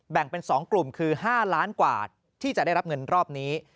แบ่งเป็น๒กลุ่มคือ๕ล้านกว่าที่จะได้รับเงินรอบนี้